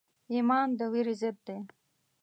ایمان د ویرې ضد دی.